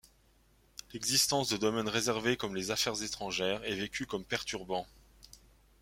L'existence de domaines réservés comme les Affaires Étrangères est vécu comme perturbant.